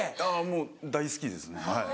もう大好きですね。